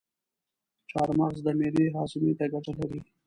چارمغز د معدې هاضمي ته ګټه لري.